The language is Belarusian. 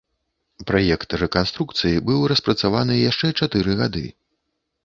Праект рэканструкцыі быў распрацаваны яшчэ чатыры гады.